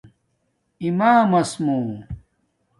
اِمامس مُو